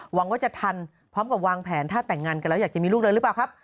หวังว่าจะทันพร้อมกับวางแผนถ้าแต่งงานกันแล้วอยากจะมีลูกเลยหรือเปล่าครับ